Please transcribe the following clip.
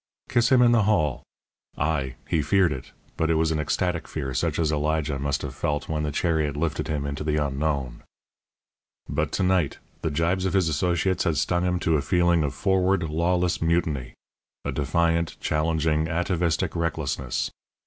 Kiss him in the hall! Aye, he feared it, but it was an ecstatic fear such as Elijah must have felt when the chariot lifted him into the unknown. But to night the gibes of his associates had stung him to a feeling of forward, lawless mutiny; a defiant, challenging, atavistic recklessness.